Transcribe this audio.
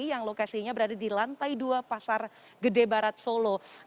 yang lokasinya berada di lantai dua pasar gede barat solo